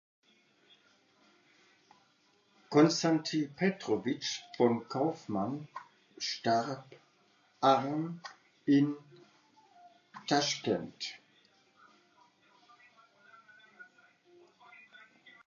Konstantin Petrowitsch von Kaufmann starb am in Taschkent.